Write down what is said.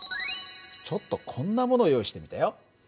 ちょっとこんなものを用意してみたよ。